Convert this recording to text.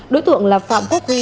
đối tượng là phạm quốc quy